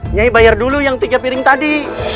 nyai bayar dulu yang tiga piring tadi